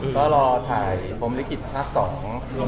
ก็รอถ่ายพรมลิขิตภาคสอง